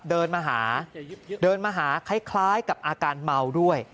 เดินมาหาคล้ายกับอาการเมาด้วย